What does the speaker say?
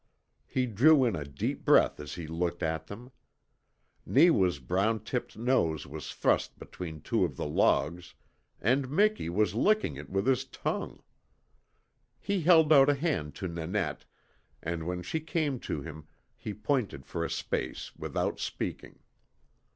He drew in a deep breath as he looked at them. Neewa's brown tipped nose was thrust between two of the logs and MIKI WAS LICKING IT WITH HIS TONGUE! He held out a hand to Nanette, and when she came to him he pointed for a space, without speaking.